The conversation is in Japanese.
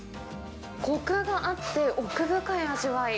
こくがあって奥深い味わい。